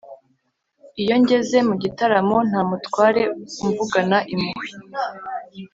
Iyo ngeze mu gitaramo nta mutware umvugana impuhwe,